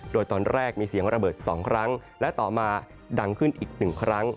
โดยตอนแรกมีเสียงระเบิด๒ครั้งและต่อมาดังขึ้นอีกหนึ่งครั้ง